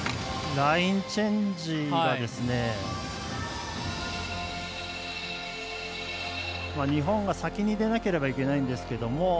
ラインチェンジが日本が先に出なければいけないんですけれども。